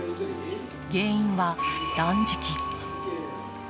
原因は断食。